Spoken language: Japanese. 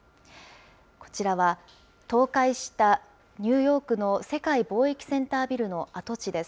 こちらは倒壊したニューヨークの世界貿易センタービルの跡地です。